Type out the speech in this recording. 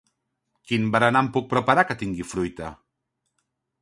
Quin berenar em puc preparar que tingui fruita?